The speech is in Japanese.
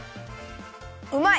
うまい！